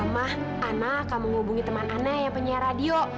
ma ana akan menghubungi teman ana yang penyiar radio